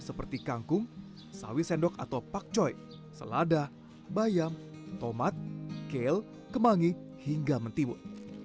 seperti kangkung sawi sendok atau pakcoy selada bayam tomat kele kemangi hingga mentiwut